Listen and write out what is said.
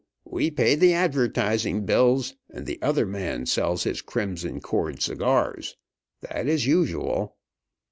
We pay the advertising bills, and the other man sells his Crimson Cord cigars. That is usual."